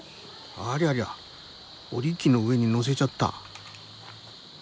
ありゃりゃ織り機の上に乗せちゃった。